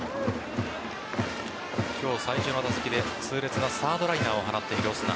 今日最初の打席で痛烈なサードライナーを放っているオスナ。